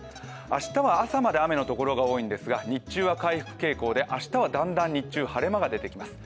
明日は朝まで雨のところが多いんですが日中は回復傾向で明日はだんだん日中、晴れ間が出てきます。